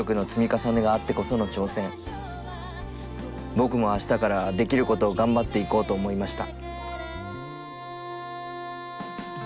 僕もあしたからできることを頑張っていこうと思いました。